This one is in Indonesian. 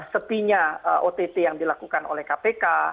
sepinya ott yang dilakukan oleh kpk